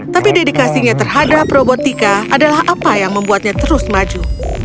tapi dedikasinya terhadap robotika adalah apa yang membuatnya terus maju